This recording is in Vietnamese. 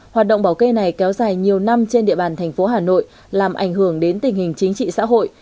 hoạt động bảo kê này kéo dài nhiều năm trên địa bàn thành phố hà nội làm ảnh hưởng đến tình hình chính trị xã hội